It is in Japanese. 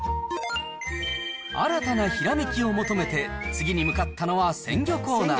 新たなひらめきを求めて、次に向かったのは、鮮魚コーナー。